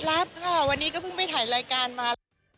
รับค่ะวันนี้ก็เพิ่งไปถ่ายรายการมา